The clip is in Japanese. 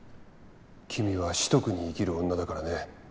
君は四徳に生きる女だからね。